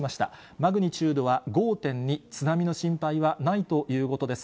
マグニチュードは５．２、津波の心配はないということです。